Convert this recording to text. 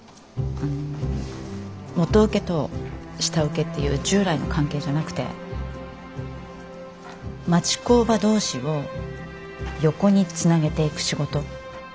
元請けと下請けっていう従来の関係じゃなくて町工場同士を横につなげていく仕事。